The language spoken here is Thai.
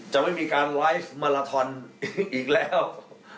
จะไม่มีการไลฟ์มาลาทอนอีกแล้ว